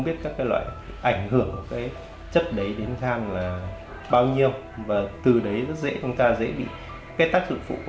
để chúng ta có thể được